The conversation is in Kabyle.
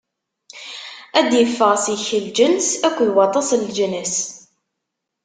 Ad d-iffeɣ seg-k lǧens akked waṭas n leǧnas.